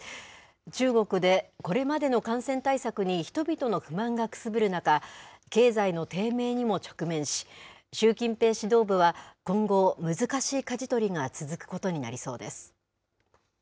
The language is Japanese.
中国でこれまでの感染対策に人々の不満がくすぶる中、経済の低迷にも直面し、習近平指導部は今後、難しいかじ取りが続くことになりそうです。